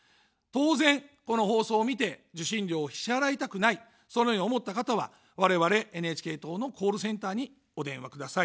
当然、この放送を見て受信料を支払いたくない、そのように思った方は我々ＮＨＫ党のコールセンターにお電話ください。